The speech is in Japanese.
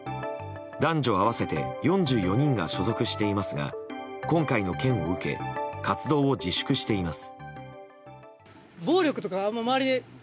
男女合わせて４４人が所属していますが今回の件を受け活動を自粛しています。